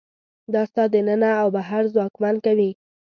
دا ستا دننه او بهر ځواکمن کوي.